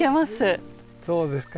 そうですか。